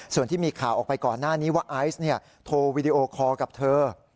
ส่วนที่มีข่าวออกไปก่อนหน้านี้ว่าไอซ์โทรวีดีโอคอร์กับเธอ